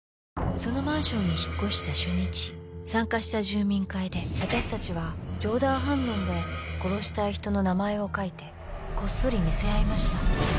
そのマンションに引っ越した初日参加した住民会で私たちは冗談半分で殺したい人の名前を書いてこっそり見せ合いました。